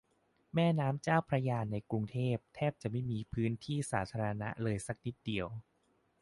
แม่น้ำเจ้าพระยาในเขตกรุงเทพ แทบจะไม่มีพื้นที่สาธารณะเลยสักนิดเดียว